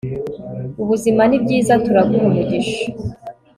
Ubuzima nibyiza turaguha umugisha